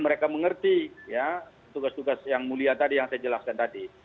mereka mengerti tugas tugas yang mulia tadi yang saya jelaskan tadi